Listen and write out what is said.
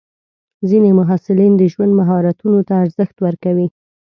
ځینې محصلین د ژوند مهارتونو ته ارزښت ورکوي.